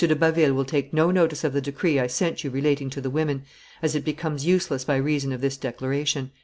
de Baville will take no notice of the decree I sent you relating to the women, as it becomes useless by reason of this declaration."